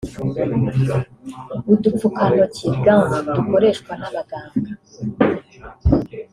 udupfukantoki (gants) dukoreshwa n’abaganga